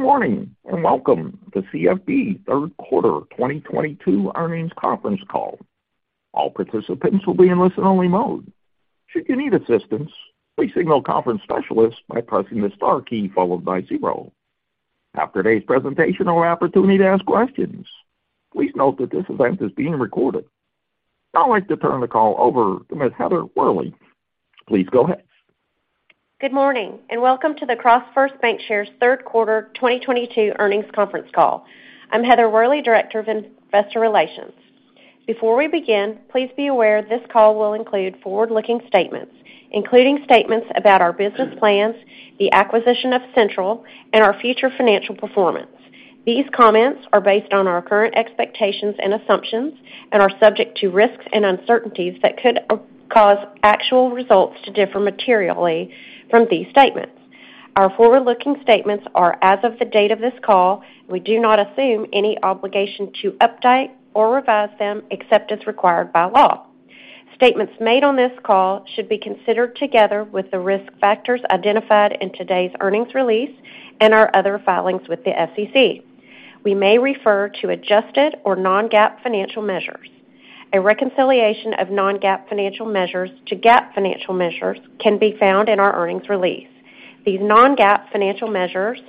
Good morning, and welcome to CFB Q3 2022 Earnings Conference Call. All participants will be in listen-only mode. Should you need assistance, please signal a conference specialist by pressing the star key followed by zero. After today's presentation, there will be an opportunity to ask questions. Please note that this event is being recorded. Now I'd like to turn the call over to Ms. Heather Worley. Please go ahead. Good morning, and welcome to the CrossFirst Bankshares Q3 2022 Earnings Conference Call. I'm Heather Worley, Director of Investor Relations. Before we begin, please be aware this call will include forward-looking statements, including statements about our business plans, the acquisition of Central, and our future financial performance. These comments are based on our current expectations and assumptions and are subject to risks and uncertainties that could cause actual results to differ materially from these statements. Our forward-looking statements are as of the date of this call. We do not assume any obligation to update or revise them, except as required by law. Statements made on this call should be considered together with the risk factors identified in today's earnings release and our other filings with the SEC. We may refer to adjusted or non-GAAP financial measures. A reconciliation of non-GAAP financial measures to GAAP financial measures can be found in our earnings release. These non-GAAP financial measures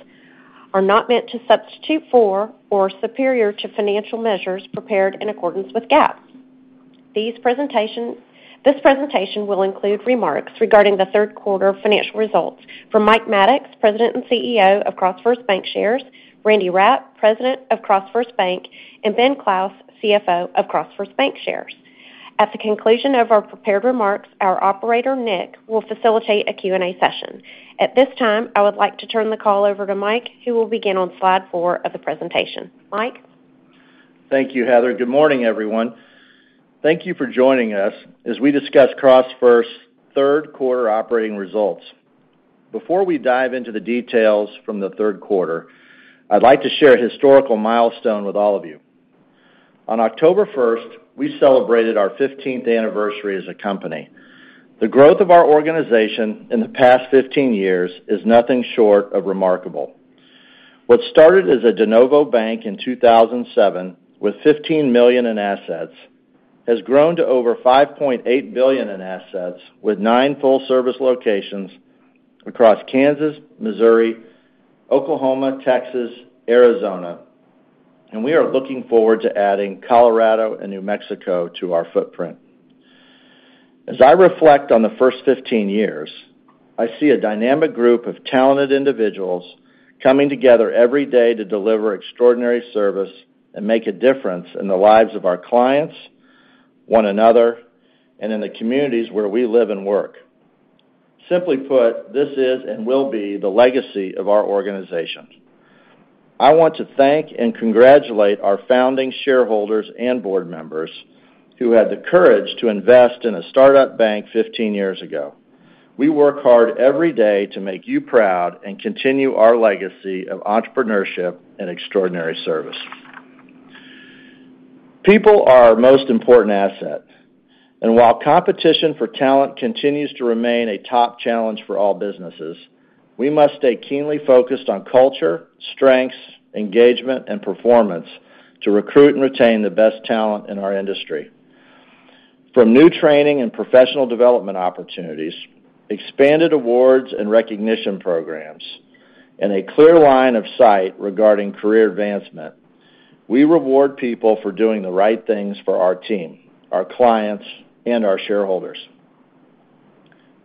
are not meant to substitute for or superior to financial measures prepared in accordance with GAAP. This presentation will include remarks regarding the Q3 financial results from Mike Maddox, President and CEO of CrossFirst Bankshares, Randy Rapp, President of CrossFirst Bank, and Ben Clouse, CFO of CrossFirst Bankshares. At the conclusion of our prepared remarks, our operator, Nick, will facilitate a Q&A session. At this time, I would like to turn the call over to Mike, who will begin on slide four of the presentation. Mike? Thank you, Heather. Good morning, everyone. Thank you for joining us as we discuss CrossFirst Q3 operating results. Before we dive into the details from the Q3, I'd like to share a historical milestone with all of you. On October 1st, we celebrated our 15th anniversary as a company. The growth of our organization in the past 15 years is nothing short of remarkable. What started as a de novo bank in 2007 with $15 million in assets has grown to over $5.8 billion in assets with nine full-service locations across Kansas, Missouri, Oklahoma, Texas, Arizona, and we are looking forward to adding Colorado and New Mexico to our footprint. As I reflect on the first 15 years, I see a dynamic group of talented individuals coming together every day to deliver extraordinary service and make a difference in the lives of our clients, one another, and in the communities where we live and work. Simply put, this is and will be the legacy of our organization. I want to thank and congratulate our founding shareholders and board members who had the courage to invest in a startup bank 15 years ago. We work hard every day to make you proud and continue our legacy of entrepreneurship and extraordinary service. People are our most important asset, and while competition for talent continues to remain a top challenge for all businesses, we must stay keenly focused on culture, strengths, engagement, and performance to recruit and retain the best talent in our industry. From new training and professional development opportunities, expanded awards and recognition programs, and a clear line of sight regarding career advancement, we reward people for doing the right things for our team, our clients, and our shareholders.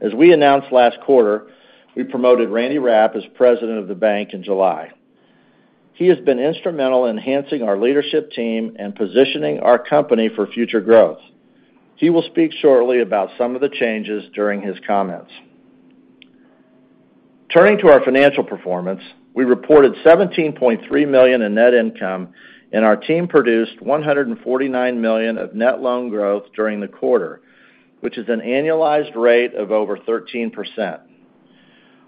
As we announced last quarter, we promoted Randy Rapp as President of the bank in July. He has been instrumental in enhancing our leadership team and positioning our company for future growth. He will speak shortly about some of the changes during his comments. Turning to our financial performance, we reported $17.3 million in net income, and our team produced $149 million of net loan growth during the quarter, which is an annualized rate of over 13%.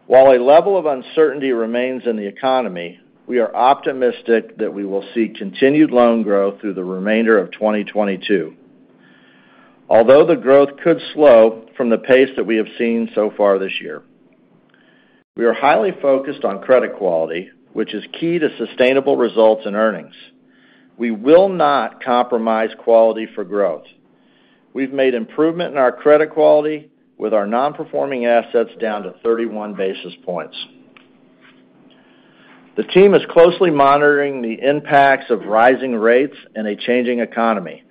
While a level of uncertainty remains in the economy, we are optimistic that we will see continued loan growth through the remainder of 2022, although the growth could slow from the pace that we have seen so far this year. We are highly focused on credit quality, which is key to sustainable results and earnings. We will not compromise quality for growth. We've made improvement in our credit quality with our non-performing assets down to 31 basis points. The team is closely monitoring the impacts of rising rates in a changing economy.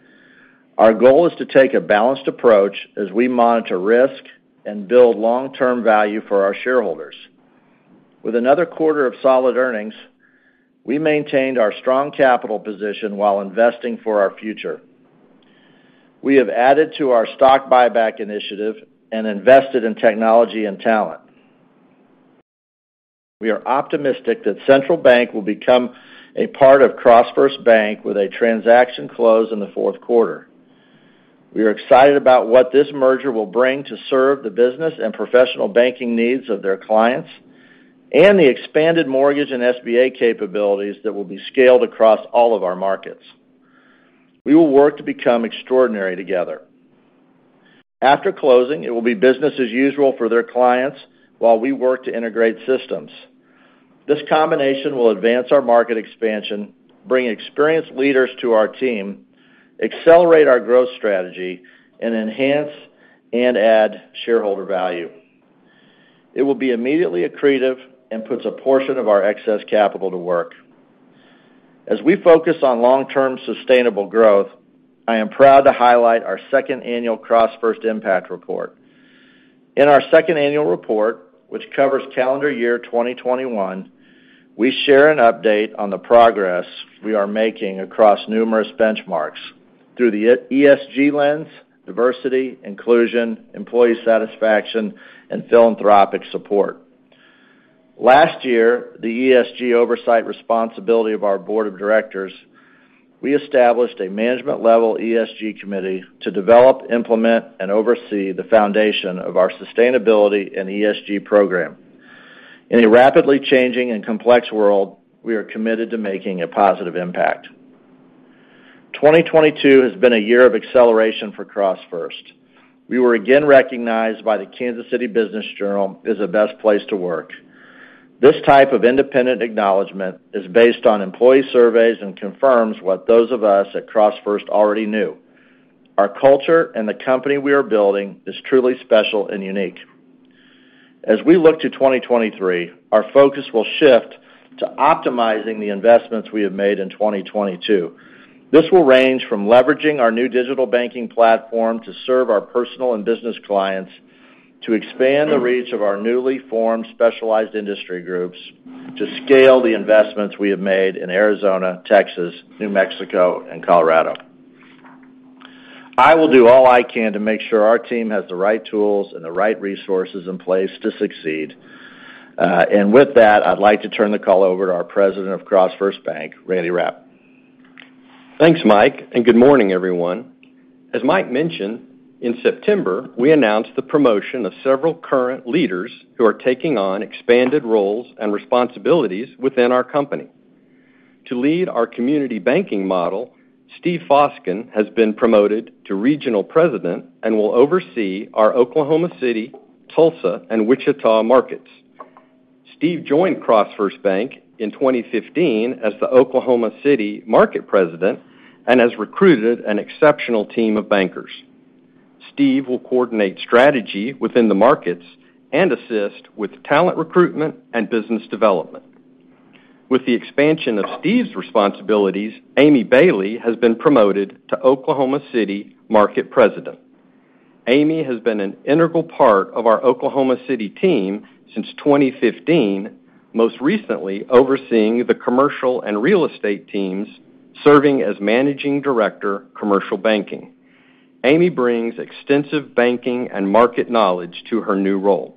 Our goal is to take a balanced approach as we monitor risk and build long-term value for our shareholders. With another quarter of solid earnings, we maintained our strong capital position while investing for our future. We have added to our stock buyback initiative and invested in technology and talent. We are optimistic that Central Bank will become a part of CrossFirst Bank with a transaction close in the Q4. We are excited about what this merger will bring to serve the business and professional banking needs of their clients, and the expanded mortgage and SBA capabilities that will be scaled across all of our markets. We will work to become extraordinary together. After closing, it will be business as usual for their clients while we work to integrate systems. This combination will advance our market expansion, bring experienced leaders to our team, accelerate our growth strategy, and enhance and add shareholder value. It will be immediately accretive and puts a portion of our excess capital to work. As we focus on long-term sustainable growth, I am proud to highlight our second annual CrossFirst Impact Report. In our second annual report, which covers calendar year 2021, we share an update on the progress we are making across numerous benchmarks through the ESG lens, diversity, inclusion, employee satisfaction, and philanthropic support. Last year, the ESG oversight responsibility of our board of directors, we established a management-level ESG committee to develop, implement, and oversee the foundation of our sustainability and ESG program. In a rapidly changing and complex world, we are committed to making a positive impact. 2022 has been a year of acceleration for CrossFirst. We were again recognized by the Kansas City Business Journal as the Best Place to Work. This type of independent acknowledgment is based on employee surveys and confirms what those of us at CrossFirst already knew. Our culture and the company we are building is truly special and unique. As we look to 2023, our focus will shift to optimizing the investments we have made in 2022. This will range from leveraging our new digital banking platform to serve our personal and business clients, to expand the reach of our newly formed specialized industry groups, to scale the investments we have made in Arizona, Texas, New Mexico, and Colorado. I will do all I can to make sure our team has the right tools and the right resources in place to succeed. With that, I'd like to turn the call over to our President of CrossFirst Bank, Randy Rapp. Thanks, Mike, and good morning, everyone. As Mike mentioned, in September, we announced the promotion of several current leaders who are taking on expanded roles and responsibilities within our company. To lead our community banking model, Steve Foskey has been promoted to Regional President and will oversee our Oklahoma City, Tulsa, and Wichita markets. Steve joined CrossFirst Bank in 2015 as the Oklahoma City Market President and has recruited an exceptional team of bankers. Steve will coordinate strategy within the markets and assist with talent recruitment and business development. With the expansion of Steve's responsibilities, Amy Bailey has been promoted to Oklahoma City Market President. Amy has been an integral part of our Oklahoma City team since 2015, most recently overseeing the commercial and real estate teams, serving as Managing Director, Commercial Banking. Amy brings extensive banking and market knowledge to her new role.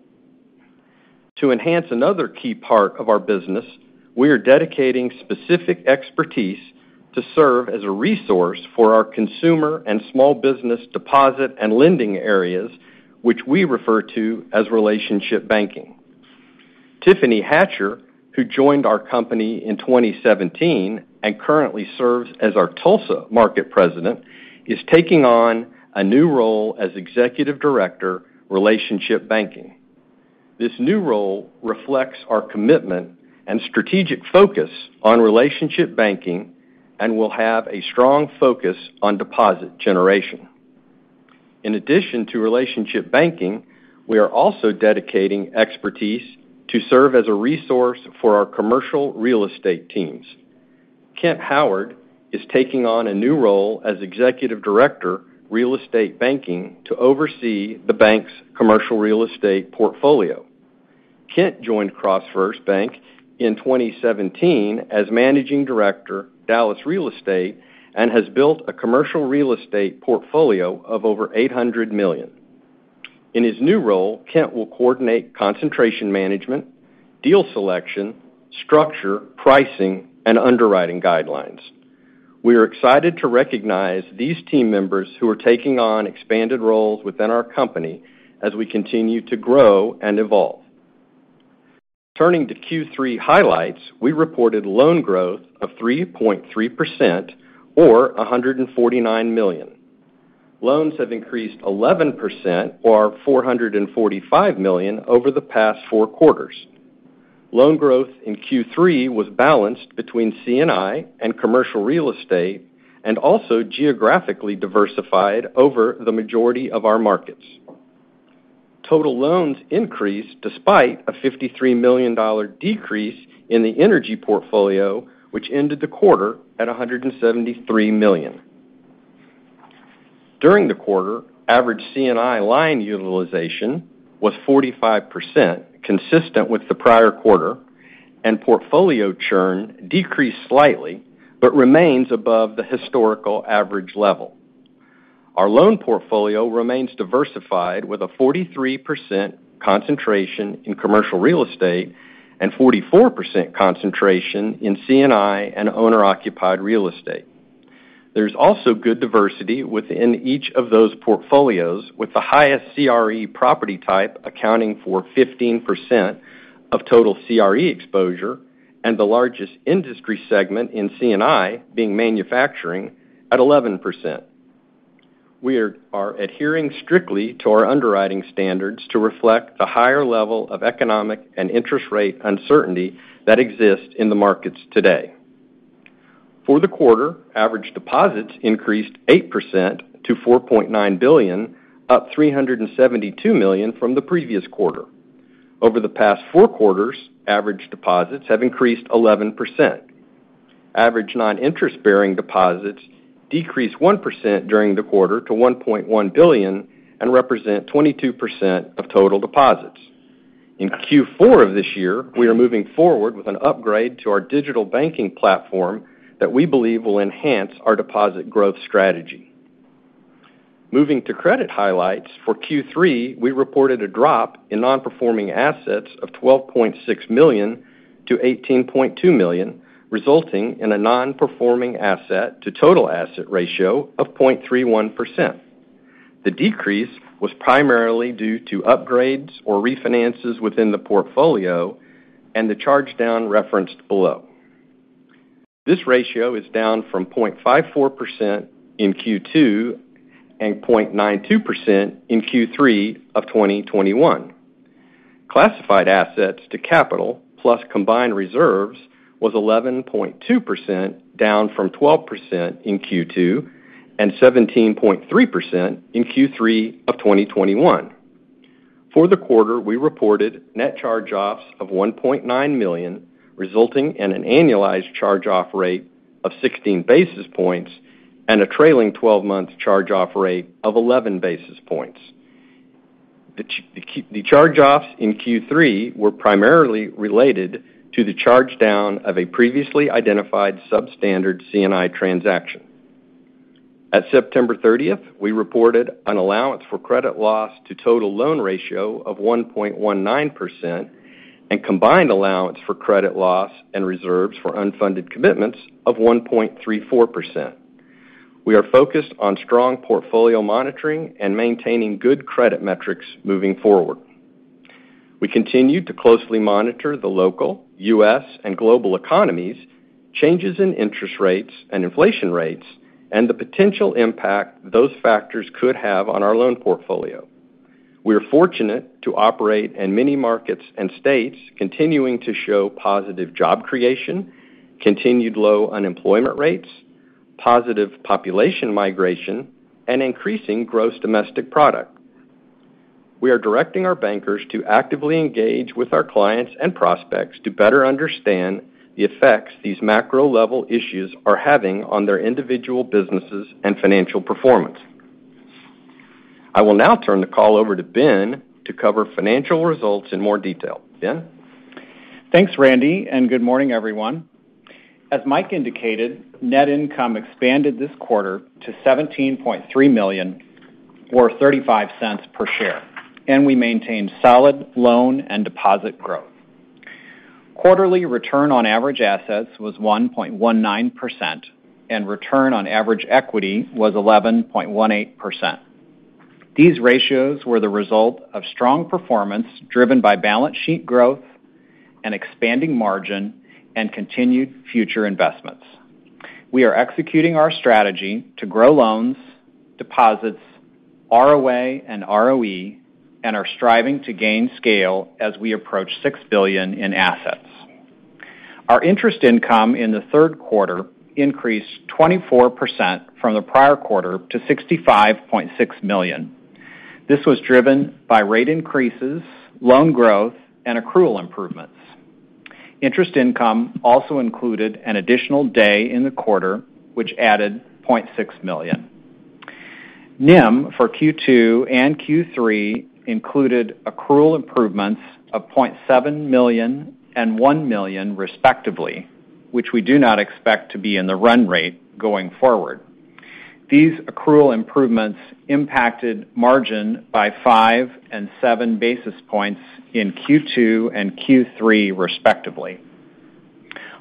To enhance another key part of our business, we are dedicating specific expertise to serve as a resource for our consumer and small business deposit and lending areas, which we refer to as relationship banking. Tiffany Hatcher, who joined our company in 2017 and currently serves as our Tulsa Market President, is taking on a new role as Executive Director, Relationship Banking. This new role reflects our commitment and strategic focus on relationship banking and will have a strong focus on deposit generation. In addition to relationship banking, we are also dedicating expertise to serve as a resource for our commercial real estate teams. Kent Howard is taking on a new role as Executive Director, Real Estate Banking, to oversee the bank's commercial real estate portfolio. Kent joined CrossFirst Bank in 2017 as Managing Director, Dallas Real Estate, and has built a commercial real estate portfolio of over $800 million. In his new role, Kent will coordinate concentration management, deal selection, structure, pricing, and underwriting guidelines. We are excited to recognize these team members who are taking on expanded roles within our company as we continue to grow and evolve. Turning to Q3 highlights, we reported loan growth of 3.3% or $149 million. Loans have increased 11% or $445 million over the past four quarters. Loan growth in Q3 was balanced between C&I and commercial real estate and also geographically diversified over the majority of our markets. Total loans increased despite a $53 million decrease in the energy portfolio, which ended the quarter at $173 million. During the quarter, average C&I line utilization was 45%, consistent with the prior quarter, and portfolio churn decreased slightly but remains above the historical average level. Our loan portfolio remains diversified with a 43% concentration in commercial real estate and 44% concentration in C&I and owner-occupied real estate. There's also good diversity within each of those portfolios, with the highest CRE property type accounting for 15% of total CRE exposure, and the largest industry segment in C&I being manufacturing at 11%. We are adhering strictly to our underwriting standards to reflect the higher level of economic and interest rate uncertainty that exists in the markets today. For the quarter, average deposits increased 8% to $4.9 billion, up $372 million from the previous quarter. Over the past four quarters, average deposits have increased 11%. Average non-interest-bearing deposits decreased 1% during the quarter to $1.1 billion and represent 22% of total deposits. In Q4 of this year, we are moving forward with an upgrade to our digital banking platform that we believe will enhance our deposit growth strategy. Moving to credit highlights. For Q3, we reported a drop in nonperforming assets of $12.6 million to $18.2 million, resulting in a nonperforming asset to total asset ratio of 0.31%. The decrease was primarily due to upgrades or refinances within the portfolio and the charge-down referenced below. This ratio is down from 0.54% in Q2 and 0.92% in Q3 of 2021. Classified assets to capital plus combined reserves was 11.2%, down from 12% in Q2 and 17.3% in Q3 of 2021. For the quarter, we reported net charge-offs of $1.9 million, resulting in an annualized charge-off rate of 16 basis points and a trailing 12-month charge-off rate of 11 basis points. The charge-offs in Q3 were primarily related to the charge-down of a previously identified substandard C&I transaction. At September 30th, we reported an allowance for credit loss to total loan ratio of 1.19% and combined allowance for credit loss and reserves for unfunded commitments of 1.34%. We are focused on strong portfolio monitoring and maintaining good credit metrics moving forward. We continue to closely monitor the local, U.S., and global economies, changes in interest rates and inflation rates, and the potential impact those factors could have on our loan portfolio. We are fortunate to operate in many markets and states continuing to show positive job creation, continued low unemployment rates, positive population migration, and increasing gross domestic product. We are directing our bankers to actively engage with our clients and prospects to better understand the effects these macro-level issues are having on their individual businesses and financial performance. I will now turn the call over to Ben to cover financial results in more detail. Ben? Thanks, Randy, and good morning, everyone. As Mike indicated, net income expanded this quarter to $17.3 million or $0.35 per share, and we maintained solid loan and deposit growth. Quarterly return on average assets was 1.19%, and return on average equity was 11.18%. These ratios were the result of strong performance driven by balance sheet growth and expanding margin and continued future investments. We are executing our strategy to grow loans, deposits, ROA, and ROE and are striving to gain scale as we approach $6 billion in assets. Our interest income in the Q3 increased 24% from the prior quarter to $65.6 million. This was driven by rate increases, loan growth, and accrual improvements. Interest income also included an additional day in the quarter, which added $0.6 million. NIM for Q2 and Q3 included accrual improvements of $0.7 million and $1 million, respectively, which we do not expect to be in the run rate going forward. These accrual improvements impacted margin by 5 and 7 basis points in Q2 and Q3, respectively.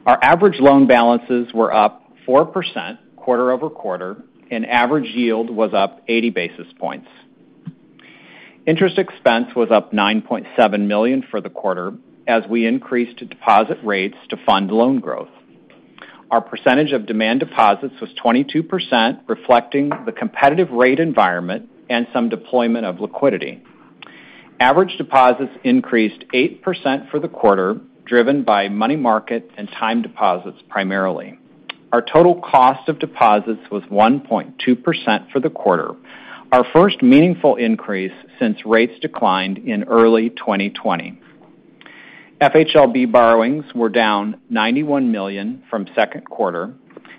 Our average loan balances were up 4% quarter-over-quarter, and average yield was up 80 basis points. Interest expense was up $9.7 million for the quarter as we increased deposit rates to fund loan growth. Our percentage of demand deposits was 22%, reflecting the competitive rate environment and some deployment of liquidity. Average deposits increased 8% for the quarter, driven by money market and time deposits, primarily. Our total cost of deposits was 1.2% for the quarter, our first meaningful increase since rates declined in early 2020. FHLB borrowings were down $91 million from Q2,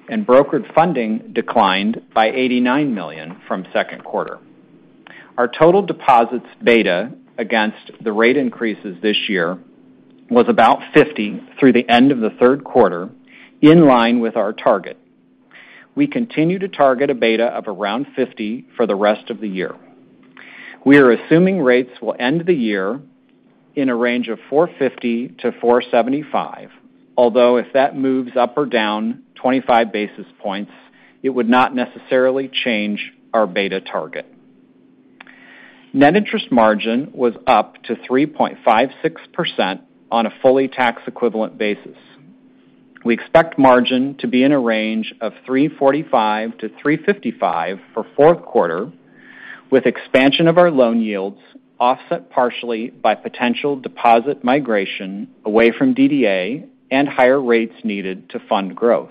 and brokered funding declined by $89 million from Q2. Our total deposits beta against the rate increases this year was about 50 through the end of the Q3, in line with our target. We continue to target a beta of around 50 for the rest of the year. We are assuming rates will end the year in a range of 4.50%-4.75%, although if that moves up or down 25 basis points, it would not necessarily change our beta target. Net interest margin was up to 3.56% on a fully tax equivalent basis. We expect margin to be in a range of 3.45%-3.55% for Q4, with expansion of our loan yields offset partially by potential deposit migration away from DDA and higher rates needed to fund growth.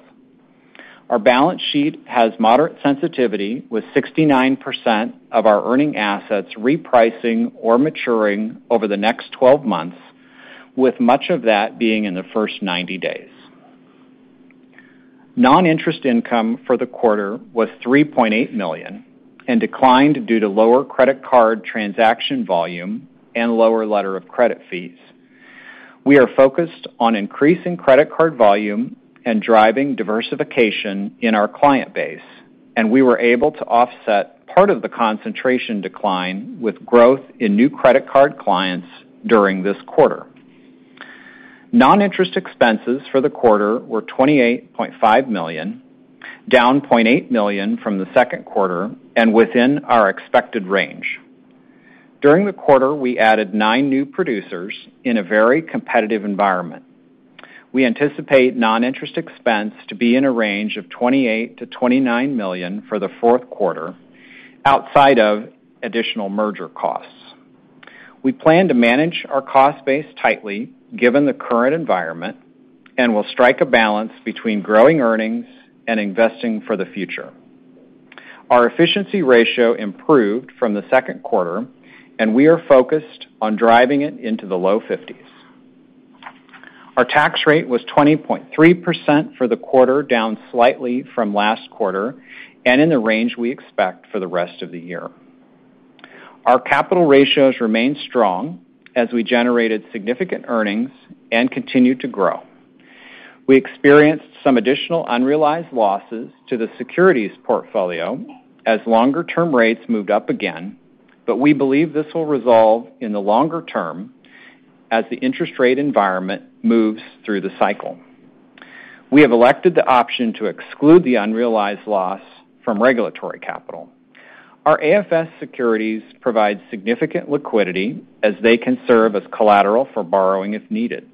Our balance sheet has moderate sensitivity, with 69% of our earning assets repricing or maturing over the next 12 months, with much of that being in the first 90 days. Non-interest income for the quarter was $3.8 million and declined due to lower credit card transaction volume and lower letter of credit fees. We are focused on increasing credit card volume and driving diversification in our client base, and we were able to offset part of the concentration decline with growth in new credit card clients during this quarter. Non-interest expenses for the quarter were $28.5 million, down $0.8 million from the Q2 and within our expected range. During the quarter, we added nine new producers in a very competitive environment. We anticipate non-interest expense to be in a range of $28 million-$29 million for the Q4 outside of additional merger costs. We plan to manage our cost base tightly given the current environment and will strike a balance between growing earnings and investing for the future. Our efficiency ratio improved from the Q2, and we are focused on driving it into the low fifties. Our tax rate was 20.3% for the quarter, down slightly from last quarter and in the range we expect for the rest of the year. Our capital ratios remain strong as we generated significant earnings and continued to grow. We experienced some additional unrealized losses to the securities portfolio as longer term rates moved up again, but we believe this will resolve in the longer term as the interest rate environment moves through the cycle. We have elected the option to exclude the unrealized loss from regulatory capital. Our AFS securities provide significant liquidity as they can serve as collateral for borrowing if needed.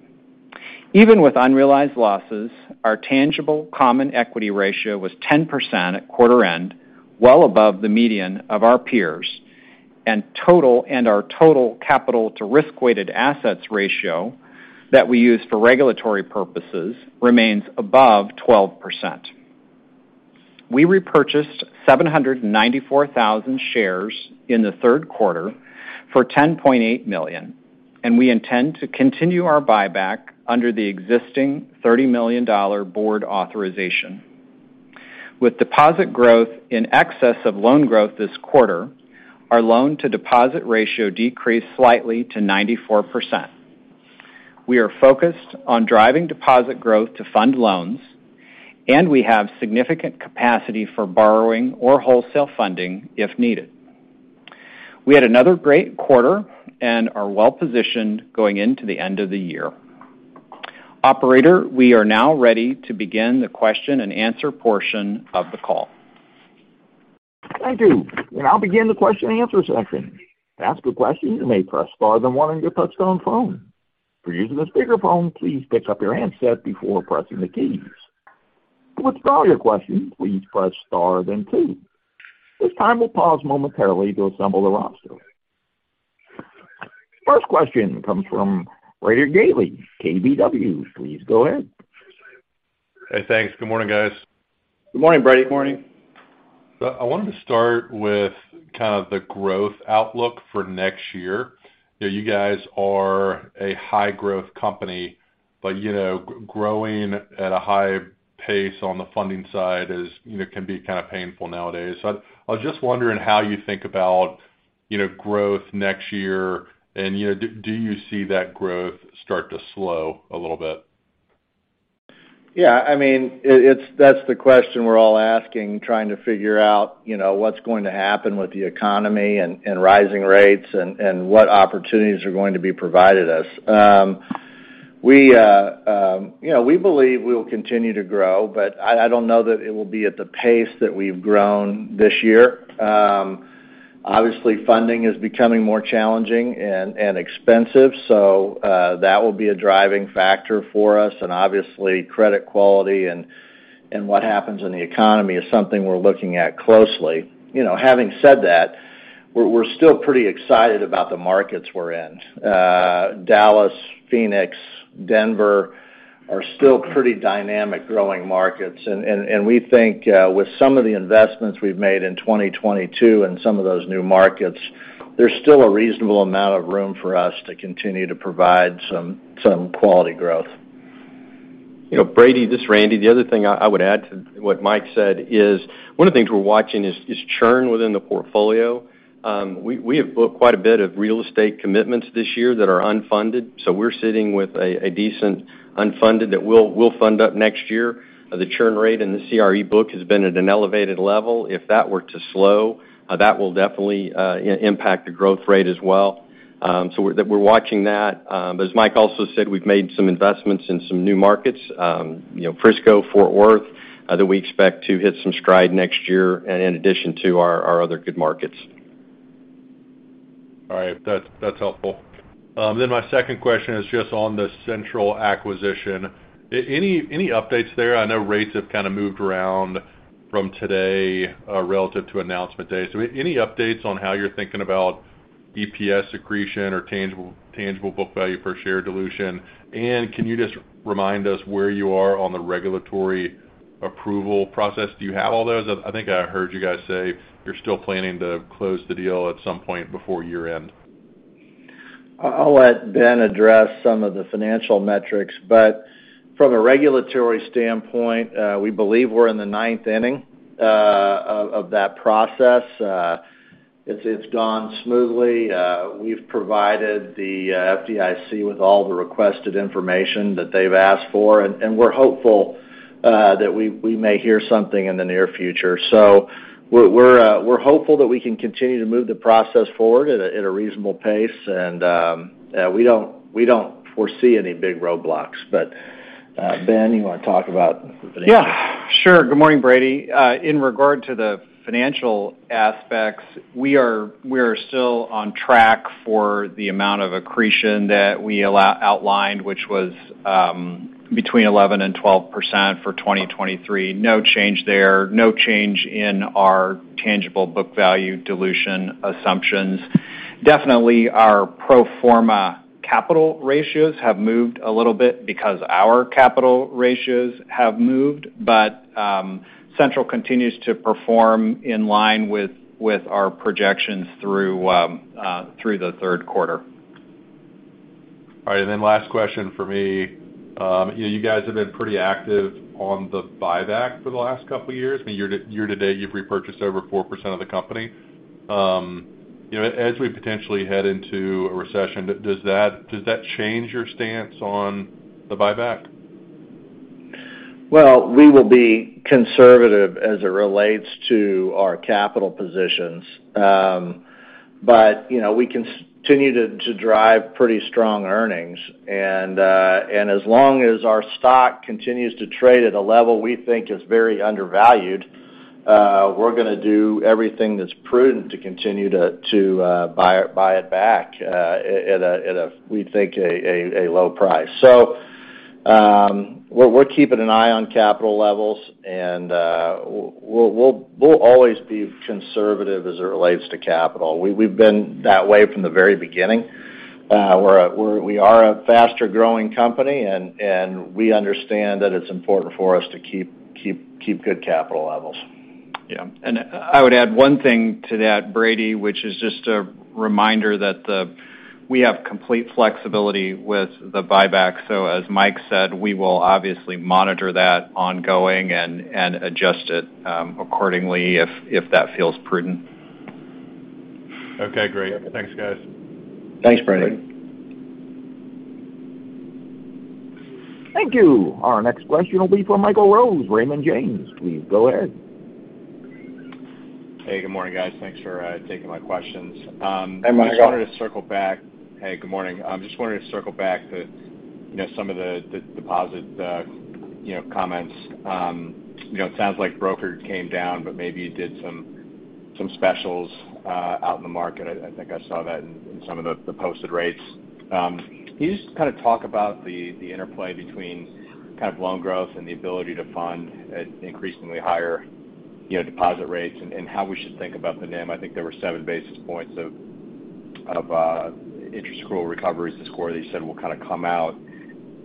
Even with unrealized losses, our tangible common equity ratio was 10% at quarter end, well above the median of our peers, and our total capital to risk-weighted assets ratio that we use for regulatory purposes remains above 12%. We repurchased 794,000 shares in the Q3 for $10.8 million, and we intend to continue our buyback under the existing $30 million board authorization. With deposit growth in excess of loan growth this quarter, our loan to deposit ratio decreased slightly to 94%. We are focused on driving deposit growth to fund loans, and we have significant capacity for borrowing or wholesale funding if needed. We had another great quarter and are well positioned going into the end of the year. Operator, we are now ready to begin the question-and-answer portion of the call. Thank you. We'll now begin the question-and-answer session. To ask a question, you may press star then one on your touchtone phone. If you're using a speakerphone, please pick up your handset before pressing the keys. To withdraw your question, please press star then two. This time we'll pause momentarily to assemble the roster. First question comes from Brady Gailey, KBW. Please go ahead. Hey, thanks. Good morning, guys. Good morning, Brady. Good morning. I wanted to start with kind of the growth outlook for next year. You guys are a high-growth company, but, you know, growing at a high pace on the funding side is, you know, can be kind of painful nowadays. I was just wondering how you think about, you know, growth next year and, you know, do you see that growth start to slow a little bit? Yeah, I mean, that's the question we're all asking, trying to figure out, you know, what's going to happen with the economy and rising rates and what opportunities are going to be provided us. You know, we believe we will continue to grow, but I don't know that it will be at the pace that we've grown this year. Obviously, funding is becoming more challenging and expensive, so that will be a driving factor for us. Obviously, credit quality and what happens in the economy is something we're looking at closely. You know, having said that, we're still pretty excited about the markets we're in. Dallas, Phoenix, Denver are still pretty dynamic growing markets. We think with some of the investments we've made in 2022 and some of those new markets, there's still a reasonable amount of room for us to continue to provide some quality growth. You know, Brady, this is Randy. The other thing I would add to what Mike said is one of the things we're watching is churn within the portfolio. We have booked quite a bit of real estate commitments this year that are unfunded, so we're sitting with a decent unfunded that we'll fund up next year. The churn rate in the CRE book has been at an elevated level. If that were to slow, that will definitely impact the growth rate as well. We're watching that. As Mike also said, we've made some investments in some new markets, you know, Frisco, Fort Worth, that we expect to hit some stride next year and in addition to our other good markets. All right. That's helpful. My second question is just on the Central acquisition. Any updates there? I know rates have kind of moved around from today relative to announcement day. Any updates on how you're thinking about EPS accretion or tangible book value per share dilution? Can you just remind us where you are on the regulatory approval process? Do you have all those? I think I heard you guys say you're still planning to close the deal at some point before year-end. I'll let Ben address some of the financial metrics. From a regulatory standpoint, we believe we're in the ninth inning of that process. It's gone smoothly. We've provided the FDIC with all the requested information that they've asked for, and we're hopeful that we may hear something in the near future. We're hopeful that we can continue to move the process forward at a reasonable pace. We don't foresee any big roadblocks. Ben, you want to talk about the financial. Yeah, sure. Good morning, Brady. In regard to the financial aspects, we are still on track for the amount of accretion that we outlined, which was between 11%-12% for 2023. No change there. No change in our tangible book value dilution assumptions. Definitely, our pro forma capital ratios have moved a little bit because our capital ratios have moved. Central continues to perform in line with our projections through the Q3. All right. Last question for me. You know, you guys have been pretty active on the buyback for the last couple years. I mean, year to date, you've repurchased over 4% of the company. You know, as we potentially head into a recession, does that change your stance on the buyback? Well, we will be conservative as it relates to our capital positions. You know, we continue to drive pretty strong earnings. As long as our stock continues to trade at a level we think is very undervalued, we're going to do everything that's prudent to continue to buy it back at a, we think, a low price. We're keeping an eye on capital levels, and we'll always be conservative as it relates to capital. We've been that way from the very beginning. We are a faster-growing company, and we understand that it's important for us to keep good capital levels. Yeah. I would add one thing to that, Brady, which is just a reminder that we have complete flexibility with the buyback. As Mike said, we will obviously monitor that ongoing and adjust it accordingly if that feels prudent. Okay, great. Thanks, guys. Thanks, Brady. Thank you. Our next question will be from Michael Rose, Raymond James. Please go ahead. Hey, good morning, guys. Thanks for taking my questions. Hey, Michael. I just wanted to circle back. Hey, good morning. I just wanted to circle back to, you know, some of the deposit, you know, comments. You know, it sounds like brokered came down, but maybe you did some specials out in the market. I think I saw that in some of the posted rates. Can you just kind of talk about the interplay between kind of loan growth and the ability to fund at increasingly higher, you know, deposit rates and how we should think about the NIM? I think there were seven basis points of interest accrual recoveries this quarter that you said will kind of come out.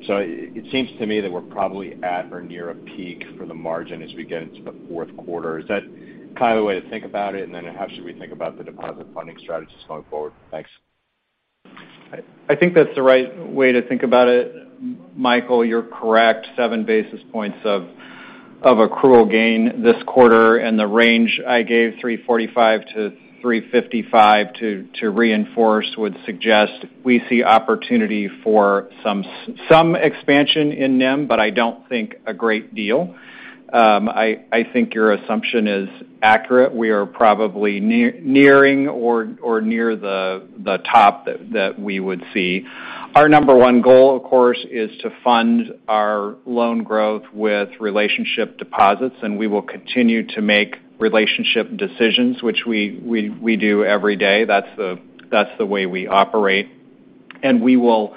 It seems to me that we're probably at or near a peak for the margin as we get into the Q4. Is that kind of the way to think about it? How should we think about the deposit funding strategies going forward? Thanks. I think that's the right way to think about it, Michael. You're correct. 7 basis points of accrual gain this quarter, and the range I gave, 3.45%-3.55%, to reinforce, would suggest we see opportunity for some expansion in NIM, but I don't think a great deal. I think your assumption is accurate. We are probably nearing or near the top that we would see. Our number one goal, of course, is to fund our loan growth with relationship deposits, and we will continue to make relationship decisions, which we do every day. That's the way we operate. We will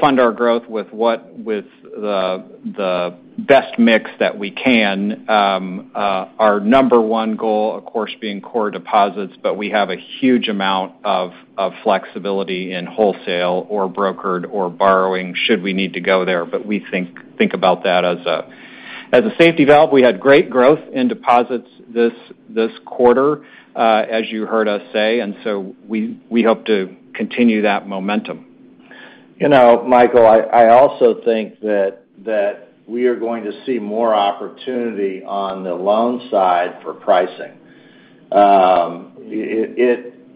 fund our growth with the best mix that we can. Our number one goal, of course, being core deposits, but we have a huge amount of flexibility in wholesale or brokered or borrowing should we need to go there. We think about that as a safety valve. We had great growth in deposits this quarter, as you heard us say. We hope to continue that momentum. You know, Michael, I also think that we are going to see more opportunity on the loan side for pricing.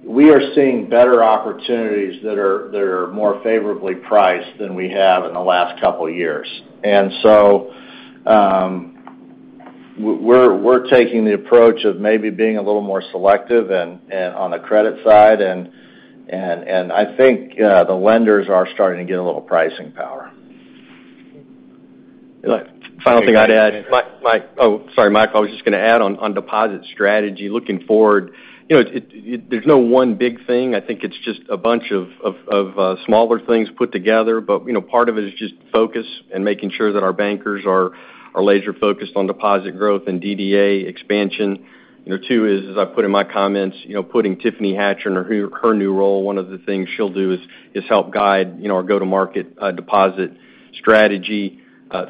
We are seeing better opportunities that are more favorably priced than we have in the last couple years. We're taking the approach of maybe being a little more selective and on the credit side, and I think the lenders are starting to get a little pricing power. Final thing I'd add, Mike. Oh, sorry, Mike. I was just going to add on deposit strategy. Looking forward, you know, there's no one big thing. I think it's just a bunch of smaller things put together. You know, part of it is just focus and making sure that our bankers are laser-focused on deposit growth and DDA expansion. You know, two is, as I put in my comments, you know, putting Tiffany Hatcher in her new role, one of the things she'll do is help guide, you know, our go-to-market deposit strategy.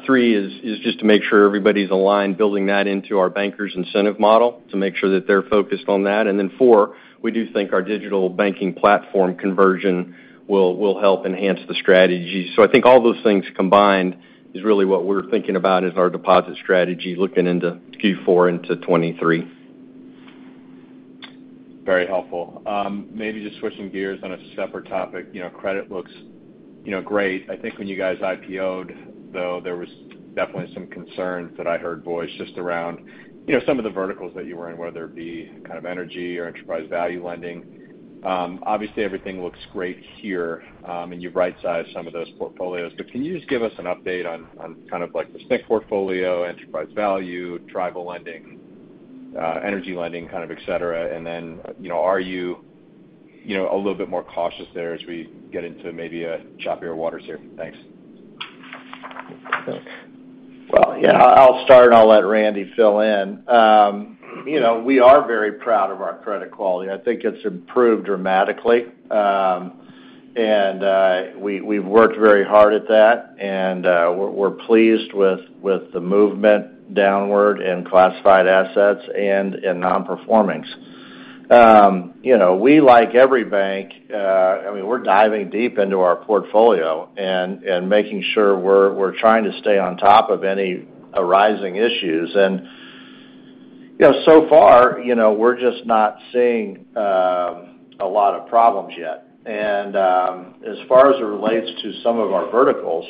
Three is just to make sure everybody's aligned, building that into our bankers' incentive model to make sure that they're focused on that. Four, we do think our digital banking platform conversion will help enhance the strategy. I think all those things combined is really what we're thinking about as our deposit strategy looking into Q4 into 2023. Very helpful. Maybe just switching gears on a separate topic. You know, credit looks, you know, great. I think when you guys IPO-ed, though, there was definitely some concerns that I heard voiced just around, you know, some of the verticals that you were in, whether it be kind of energy or enterprise value lending. Obviously, everything looks great here, and you've right-sized some of those portfolios. Can you just give us an update on kind of like the SNIC portfolio, enterprise value, tribal lending, energy lending, kind of et cetera? You know, are you know, a little bit more cautious there as we get into maybe, choppier waters here? Thanks. Well, yeah, I'll start, and I'll let Randy fill in. You know, we are very proud of our credit quality. I think it's improved dramatically. We've worked very hard at that, and we're pleased with the movement downward in classified assets and in non-performings. You know, we, like every bank, I mean, we're diving deep into our portfolio and making sure we're trying to stay on top of any arising issues. You know, so far, you know, we're just not seeing a lot of problems yet. As far as it relates to some of our verticals,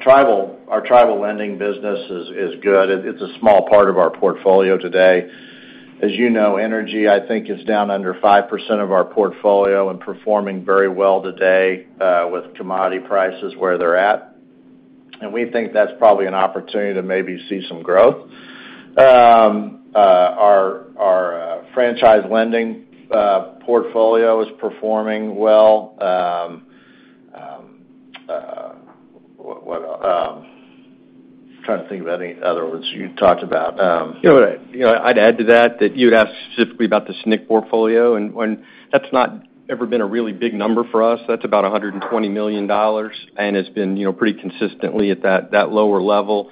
tribal, our tribal lending business is good. It's a small part of our portfolio today. As you know, energy, I think, is down under 5% of our portfolio and performing very well today, with commodity prices where they're at, and we think that's probably an opportunity to maybe see some growth. Our franchise lending portfolio is performing well. Trying to think of any other ones you talked about. You know what? You know, I'd add to that you had asked specifically about the SNIC portfolio and that's not ever been a really big number for us. That's about $120 million and has been, you know, pretty consistently at that lower level.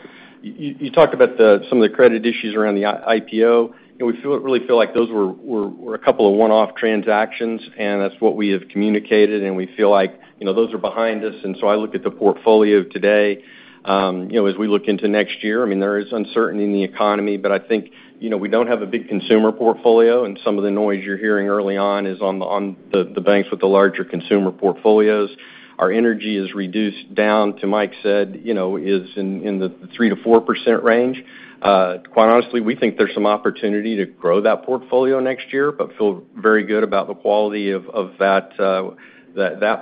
You talked about some of the credit issues around the IPO, and we feel, really feel like those were a couple of one-off transactions, and that's what we have communicated, and we feel like, you know, those are behind us. I look at the portfolio today, you know, as we look into next year, I mean, there is uncertainty in the economy, but I think, you know, we don't have a big consumer portfolio, and some of the noise you're hearing early on is on the banks with the larger consumer portfolios. Our energy is reduced down to, Mike said, you know, is in the 3%-4% range. Quite honestly, we think there's some opportunity to grow that portfolio next year but feel very good about the quality of that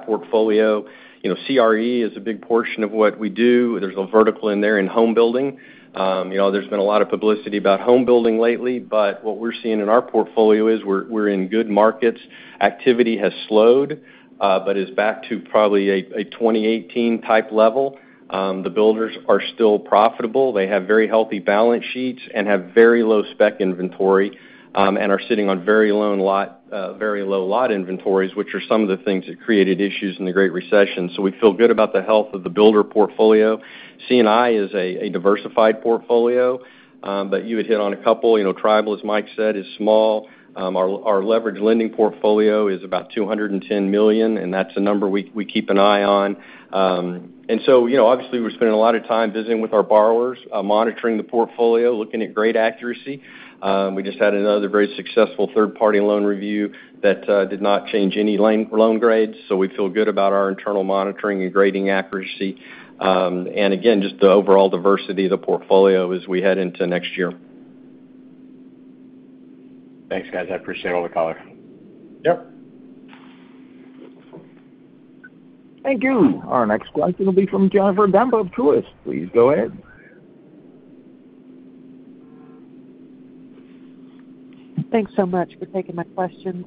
portfolio. You know, CRE is a big portion of what we do. There's a vertical in there in home building. You know, there's been a lot of publicity about home building lately, but what we're seeing in our portfolio is we're in good markets. Activity has slowed, but is back to probably a 2018 type level. The builders are still profitable. They have very healthy balance sheets and have very low spec inventory, and are sitting on very low lot inventories, which are some of the things that created issues in the Great Recession. We feel good about the health of the builder portfolio. C&I is a diversified portfolio, but you had hit on a couple. You know, tribal, as Mike said, is small. Our leverage lending portfolio is about $210 million, and that's a number we keep an eye on. You know, obviously we're spending a lot of time visiting with our borrowers, monitoring the portfolio, looking at grade accuracy. We just had another very successful third-party loan review that did not change any loan grades, so we feel good about our internal monitoring and grading accuracy. Again, just the overall diversity of the portfolio as we head into next year. Thanks, guys. I appreciate all the color. Yep. Thank you. Our next question will be from Jennifer Demba of Truist. Please go ahead. Thanks so much for taking my questions.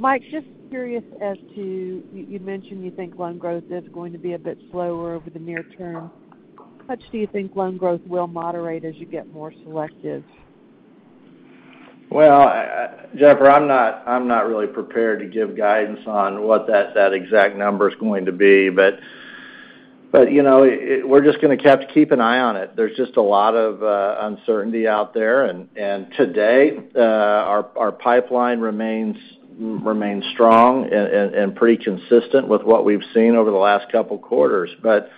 Mike, just curious as to, you mentioned you think loan growth is going to be a bit slower over the near term. How much do you think loan growth will moderate as you get more selective? Well, Jennifer, I'm not really prepared to give guidance on what that exact number's going to be. But, you know, we're just going to keep an eye on it. There's just a lot of uncertainty out there. Today, our pipeline remains strong and pretty consistent with what we've seen over the last couple quarters. But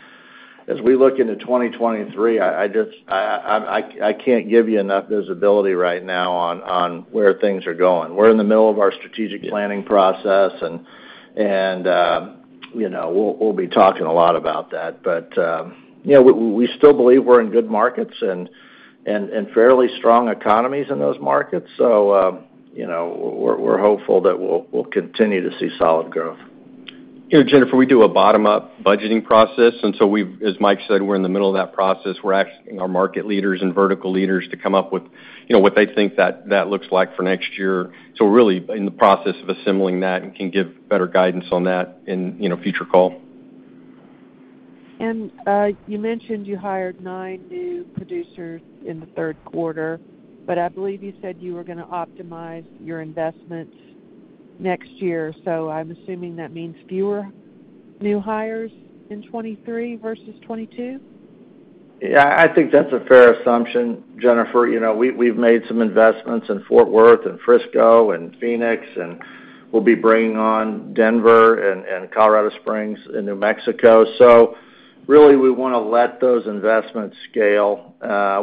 as we look into 2023, I can't give you enough visibility right now on where things are going. We're in the middle of our strategic planning process. You know, we'll be talking a lot about that. You know, we still believe we're in good markets and fairly strong economies in those markets. You know, we're hopeful that we'll continue to see solid growth. You know, Jennifer, we do a bottom-up budgeting process, and so we, as Mike said, we're in the middle of that process. We're asking our market leaders and vertical leaders to come up with, you know, what they think that looks like for next year. We're really in the process of assembling that and can give better guidance on that in, you know, a future call. You mentioned you hired nine new producers in the Q3, but I believe you said you were going to optimize your investments next year. I'm assuming that means fewer new hires in 2023 versus 2022? Yeah, I think that's a fair assumption, Jennifer. You know, we've made some investments in Fort Worth and Frisco and Phoenix, and we'll be bringing on Denver and Colorado Springs and New Mexico. Really, we want to let those investments scale.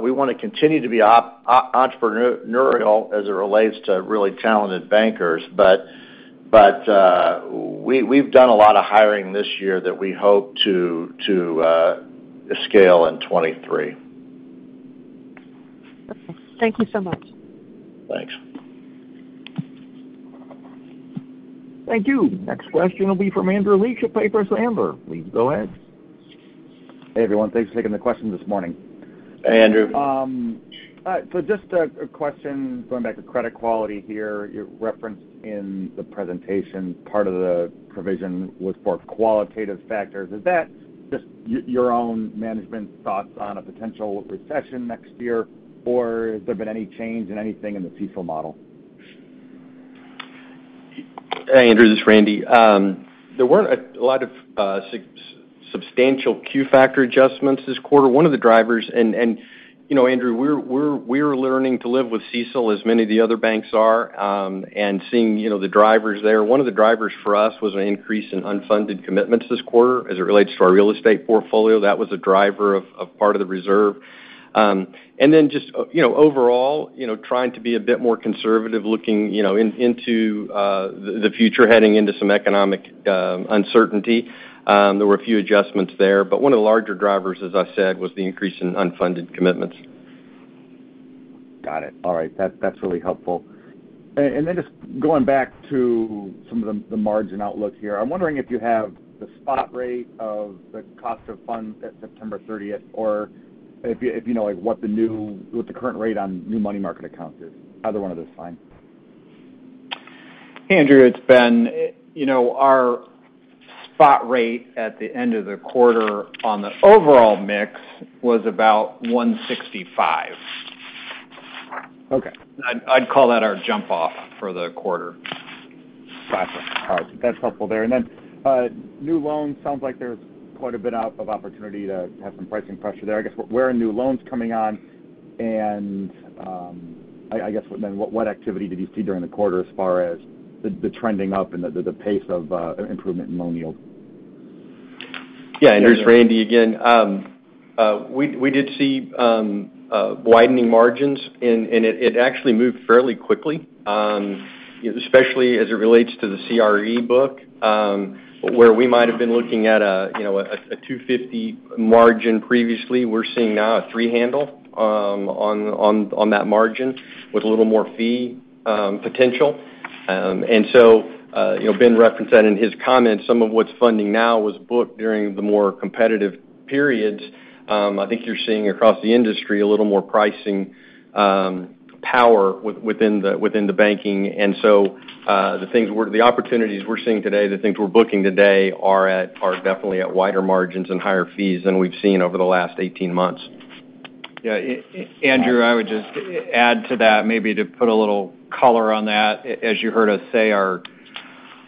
We want to continue to be entrepreneurial as it relates to really talented bankers. But we've done a lot of hiring this year that we hope to scale in 2023. Okay. Thank you so much. Thanks. Thank you. Next question will be from Andrew Liesch of Piper Sandler. Andrew, please go ahead. Hey, everyone. Thanks for taking the question this morning. Hey, Andrew. All right. Just a question going back to credit quality here. You referenced in the presentation part of the provision was for qualitative factors. Is that just your own management thoughts on a potential recession next year, or has there been any change in anything in the CECL model? Hey, Andrew, this is Randy. There weren't a lot of substantial qualitative factor adjustments this quarter. One of the drivers. You know, Andrew, we're learning to live with CECL as many of the other banks are, and seeing, you know, the drivers there. One of the drivers for us was an increase in unfunded commitments this quarter as it relates to our real estate portfolio. That was a driver of part of the reserve. And then just, you know, overall, you know, trying to be a bit more conservative looking, you know, into the future, heading into some economic uncertainty. There were a few adjustments there. One of the larger drivers, as I said, was the increase in unfunded commitments. Got it. All right. That's really helpful. Just going back to some of the margin outlook here. I'm wondering if you have the spot rate of the cost of funds at September 30th, or if you know, like, what the current rate on new money market accounts is. Either one of those is fine. Andrew, it's Ben. You know, our spot rate at the end of the quarter on the overall mix was about 165. Okay. I'd call that our jump off for the quarter. Gotcha. All right, that's helpful there. New loans, sounds like there's quite a bit of opportunity to have some pricing pressure there. I guess, where are new loans coming on? I guess, then what activity did you see during the quarter as far as the trending up and the pace of improvement in loan yield? Yeah, Andrew, it's Randy again. We did see widening margins, and it actually moved fairly quickly, especially as it relates to the CRE book, where we might have been looking at a, you know, a 2.50% margin previously. We're seeing now a three handle on that margin with a little more fee potential. You know, Ben referenced that in his comments. Some of what's funding now was booked during the more competitive periods. I think you're seeing across the industry a little more pricing power within the banking. The opportunities we're seeing today, the things we're booking today are definitely at wider margins and higher fees than we've seen over the last 18 months. Yeah, Andrew, I would just add to that, maybe to put a little color on that. As you heard us say, our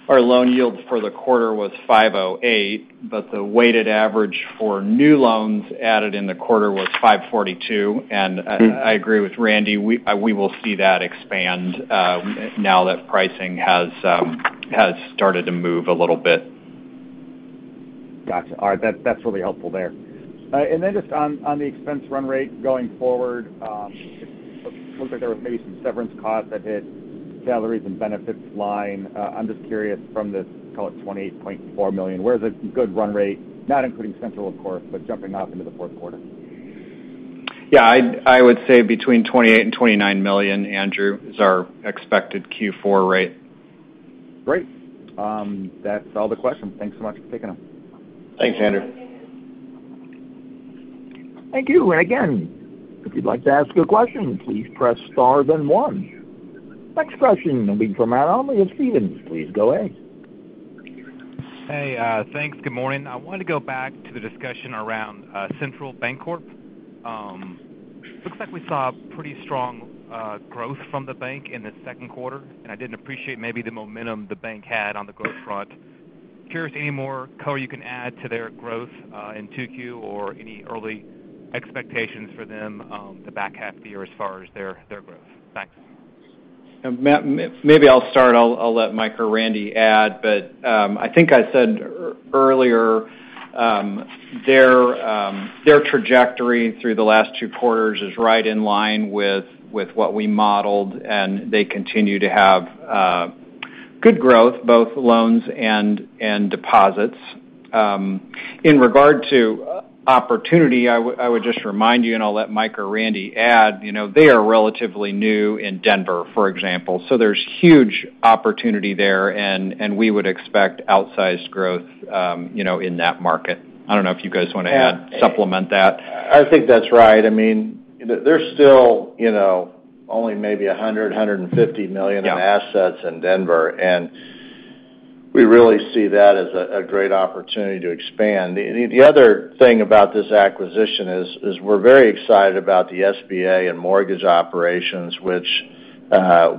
loan yields for the quarter was 5.08%, but the weighted average for new loans added in the quarter was 5.42%. I agree with Randy, we will see that expand, now that pricing has started to move a little bit. Gotcha. All right. That's really helpful there. Just on the expense run rate going forward, it looks like there was maybe some severance costs that hit salaries and benefits line. I'm just curious from the call it $28.4 million, where is a good run rate, not including Central, of course, but jumping off into the Q4? Yeah, I would say between $28 million and $29 million, Andrew, is our expected Q4 rate. Great. That's all the questions. Thanks so much for taking them. Thanks, Andrew. Thank you. Again, if you'd like to ask a question, please press star then one. Next question will be from Matt Olney of Stephens. Please go ahead. Hey, thanks. Good morning. I wanted to go back to the discussion around Central Bancorp. Looks like we saw pretty strong growth from the bank in the Q2, and I didn't appreciate maybe the momentum the bank had on the growth front. Curious, any more color you can add to their growth in Q2 or any early expectations for them, the back half of the year as far as their growth. Thanks. Matt, maybe I'll start. I'll let Mike or Randy add. I think I said earlier. Their trajectory through the last two quarters is right in line with what we modeled, and they continue to have good growth, both loans and deposits. In regard to opportunity, I would just remind you, and I'll let Mike or Randy add, you know, they are relatively new in Denver, for example. There's huge opportunity there and we would expect outsized growth, you know, in that market. I don't know if you guys want to add, supplement that. I think that's right. I mean, there's still, you know, only maybe $100 million-$150 million. Yeah in assets in Denver. We really see that as a great opportunity to expand. The other thing about this acquisition is we're very excited about the SBA and mortgage operations, which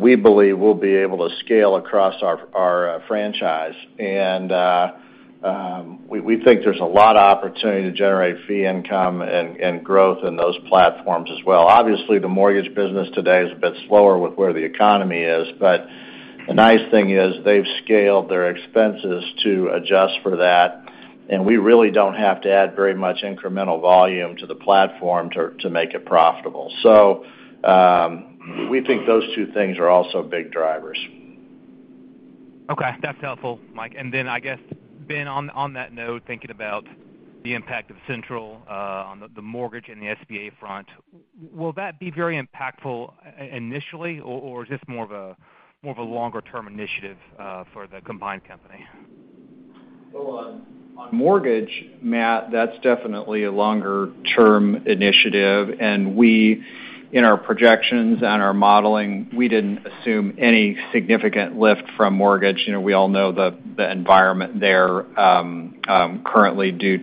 we believe we'll be able to scale across our franchise. We think there's a lot of opportunity to generate fee income and growth in those platforms as well. Obviously, the mortgage business today is a bit slower with where the economy is, but the nice thing is they've scaled their expenses to adjust for that. We really don't have to add very much incremental volume to the platform to make it profitable. We think those two things are also big drivers. Okay, that's helpful, Mike. I guess, Ben, on that note, thinking about the impact of Central on the mortgage and the SBA front, will that be very impactful initially? Or is this more of a longer term initiative for the combined company? Well, on mortgage, Matt, that's definitely a longer-term initiative. We, in our projections and our modeling, we didn't assume any significant lift from mortgage. You know, we all know the environment there currently due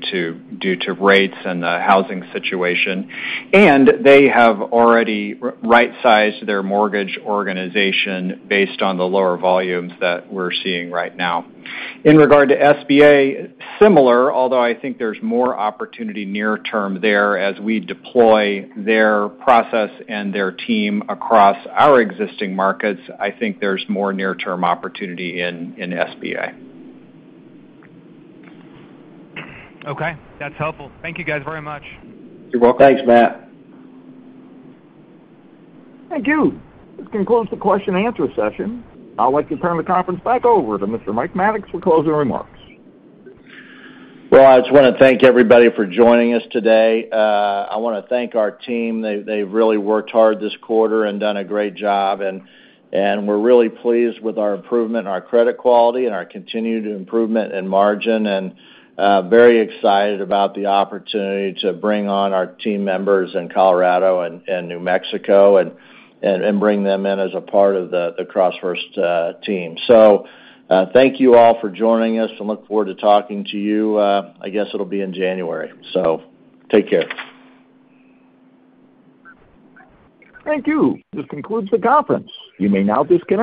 to rates and the housing situation. They have already right-sized their mortgage organization based on the lower volumes that we're seeing right now. In regard to SBA, similar, although I think there's more opportunity near-term there as we deploy their process and their team across our existing markets. I think there's more near-term opportunity in SBA. Okay, that's helpful. Thank you, guys, very much. You're welcome. Thanks, Matt. Thank you. This concludes the question and answer session. I'd like to turn the conference back over to Mr. Mike Maddox for closing remarks. Well, I just want to thank everybody for joining us today. I want to thank our team. They've really worked hard this quarter and done a great job. We're really pleased with our improvement in our credit quality and our continued improvement in margin. Very excited about the opportunity to bring on our team members in Colorado and New Mexico and bring them in as a part of the CrossFirst team. Thank you all for joining us and look forward to talking to you, I guess it'll be in January. Take care. Thank you. This concludes the conference. You may now disconnect.